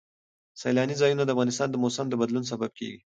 سیلاني ځایونه د افغانستان د موسم د بدلون سبب کېږي.